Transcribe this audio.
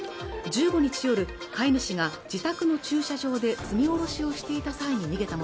１５日夜飼い主が自宅の駐車場で積み下ろしをしていた際に逃げた